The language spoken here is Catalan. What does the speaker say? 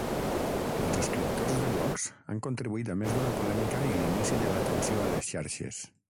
Els escriptors de blogs han contribuït a més d'una polèmica i l'inici de l'atenció a les xarxes.